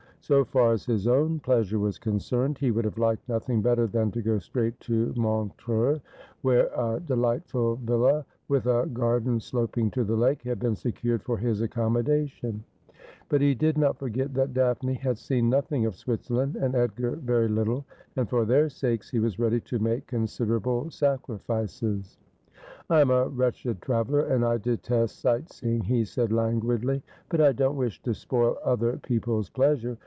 So far as his own plea sure was concerned, he would have liked nothing better than to go straight to Montreux, where a delightful villa, with a garden sloping to the lake, had been secured for his accommodation ; but he did not forget that Daphne had seen nothing of Switzer land, and Edgar very little ; and for their sakes he was ready to make considerable sacrifices. 'I am a wretched traveller, and I detest sight seeing,' he said languidly ;' but I don't wish to spoil other people's pleasure.